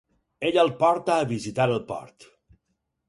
Ella el porta a visitar el port.